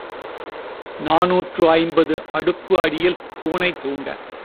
நாநூற்று ஐம்பது அடுப்பு அடியில் பூனை தூங்க.